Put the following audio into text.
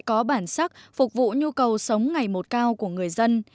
có bản sắc phục vụ nhu cầu sống ngày một cao của người dân